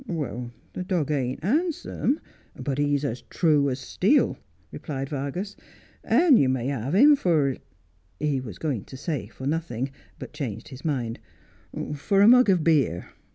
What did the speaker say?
'The dog ain't handsome, but he's as true as steel,' replied Vargas, ' and you may have him for ' he was going to say for nothing, but changed his mind —' for a mug of beer.'